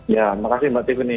ya makasih mbak tiffany